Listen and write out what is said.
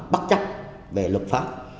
bất chấp về luật pháp